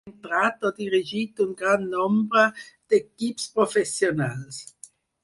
Ha entrenat o dirigit un gran nombre d'equips professionals.